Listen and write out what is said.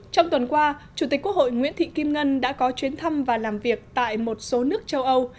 trong tuần qua chủ tịch quốc hội nguyễn thị kim ngân đã có chuyến thăm và làm việc tại một số nước châu âu